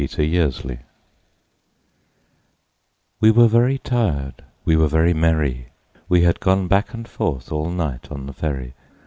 Recuerdo WE WERE very tired, we were very merry We had gone back and forth all night on the ferry.